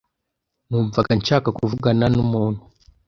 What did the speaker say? Numvaga nshaka kuvugana numuntu.